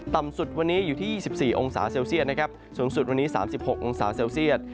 ต่ำสุดวันนี้อยู่ที่๒๔องศาเซลเซียตนะครับสูงสุดวันนี้๓๖องศาเซลเซียต